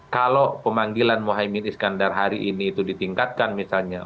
kalau pemanggilan mohaimin iskandar hari ini itu ditingkatkan misalnya